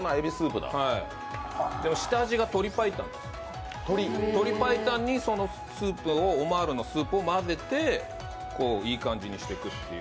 でも下味が鶏白湯です、鶏白湯に、オマールのスープを混ぜていい感じにしていくという。